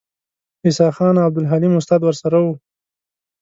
عیسی خان او عبدالحلیم استاد ورسره وو.